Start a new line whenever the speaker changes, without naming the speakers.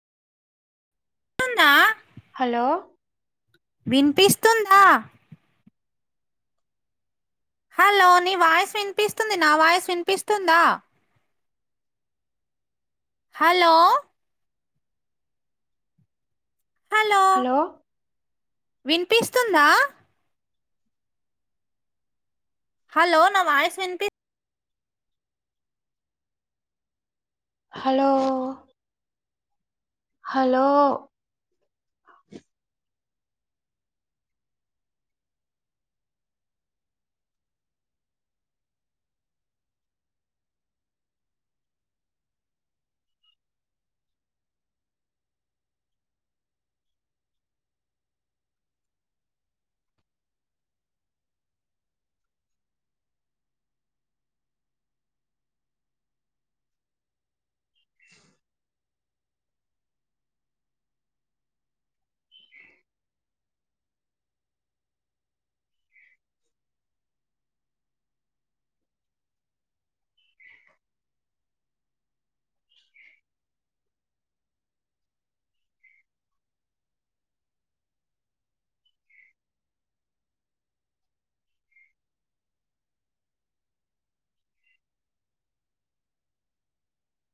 తుందా
hello
వినిపిస్తుందా hello నీ voice వినిపిస్తుంది నా వాయిస్ వినిపిస్తుందా హలో
హలో
వినిపిస్తుందా హలో నావాయిస్ వినీపిత్
హలో హలో